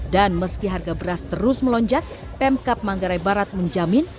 dan meski harga beras terus melonjak pemkap manggarai barat menjamin